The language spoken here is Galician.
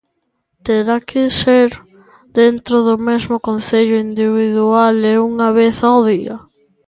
Terá que ser dentro do mesmo concello, individual e unha vez ao día.